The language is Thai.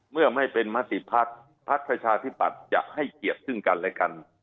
เมื่อไม่เป็นมาตรีพัฒน์พัฒน์ประชาธิบัตรจะให้เกียรติซึ่งกันและกัน